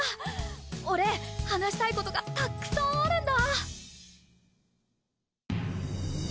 俺話したいことがたくさんあるんだ。